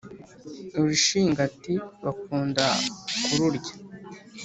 urushingati bakunda ku rurya